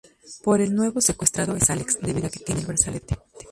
Pero el nuevo secuestrado es Alex, debido a que tiene el brazalete.